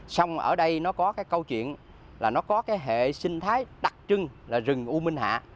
xong ở đây nó có cái câu chuyện là nó có cái hệ sinh thái đặc trưng là rừng u minh hạ